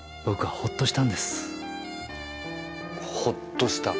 ホッとした？